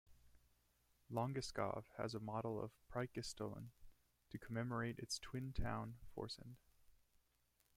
Langeskov has a model of Preikestolen to commemorate its twin town, Forsand.